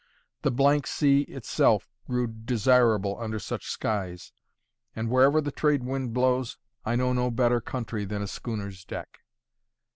The blank sea itself grew desirable under such skies; and wherever the trade wind blows, I know no better country than a schooner's deck.